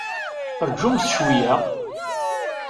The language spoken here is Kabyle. Rjumt cweyya!